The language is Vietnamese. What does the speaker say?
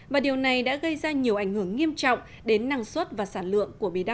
và điều này đã gây ra nhiều ảnh hưởng nghiêm trọng đến năng suất và sản lượng của bì đa